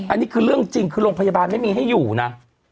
อันนี้คือเรื่องจริงคือโรงพยาบาลไม่มีให้อยู่นะ